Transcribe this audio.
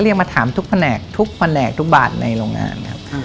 เรียกมาถามทุกแผนกทุกแผนกทุกบัตรในโรงงาน